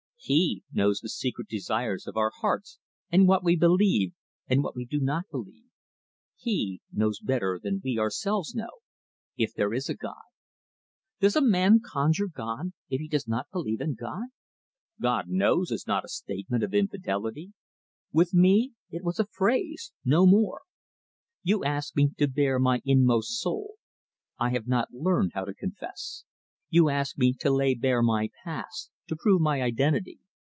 He knows the secret desires of our hearts, and what we believe, and what we do not believe; He knows better than we ourselves know if there is a God. Does a man conjure God, if he does not believe in God? 'God knows!' is not a statement of infidelity. With me it was a phrase no more. You ask me to bare my inmost soul. I have not learned how to confess. You ask me to lay bare my past, to prove my identity.